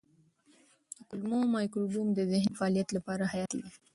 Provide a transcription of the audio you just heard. د کولمو مایکروبیوم د ذهني فعالیت لپاره حیاتي دی.